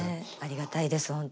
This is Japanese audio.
ありがたいです